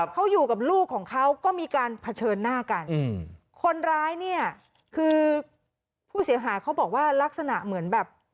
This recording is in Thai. เขาอยู่กับลูกของเขาก็มีการเผชิญหน้ากัน